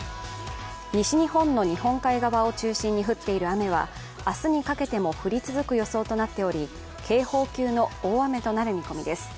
西日本の日本海側を中心に降っている雨は明日にかけても降り続く予想となっており、警報級の大雨となる見込みです。